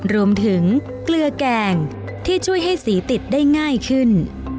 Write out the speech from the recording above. เกลือแกงที่ช่วยให้สีติดได้ง่ายขึ้น